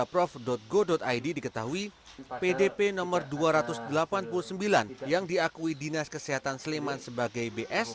pemprov go id diketahui pdp nomor dua ratus delapan puluh sembilan yang diakui dinas kesehatan sleman sebagai bs